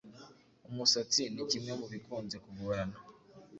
Umusatsi ni kimwe mubikunze kugorana